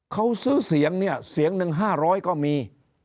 เขาซื้อเสียงเนี่ยเสียงหนึ่ง๕๐๐ก็มี